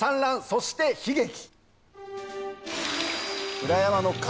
そして悲劇」。